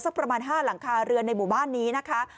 ประมาณ๕หลังคาเรือนในหมู่บ้านนี้นะคะ